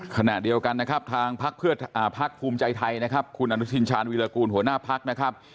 ขณะเดียวกันนะครับทางพักภูมิใจไทยนะครับคุณอนุทินชาญวิรากูลหัวหน้าพักนะครับ